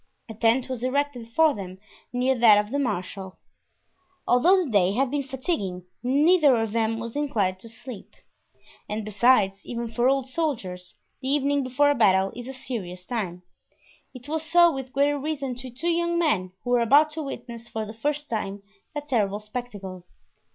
A tent was erected for them near that of the marshal. Although the day had been fatiguing, neither of them was inclined to sleep. And besides, even for old soldiers the evening before a battle is a serious time; it was so with greater reason to two young men who were about to witness for the first time that terrible spectacle.